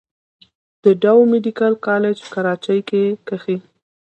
د ډاؤ ميديکل کالج کراچۍ کښې